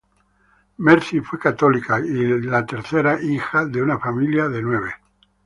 Mercy, fue católica y la tercer hija de una familia de nueve.